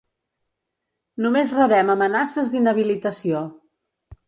Només rebem amenaces d’inhabilitació